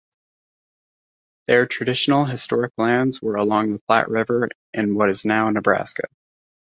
Their traditional historic lands were along the Platte River in what is now Nebraska.